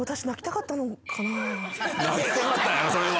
泣きたかったんやろそれは。